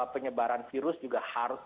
penyebaran virus juga harus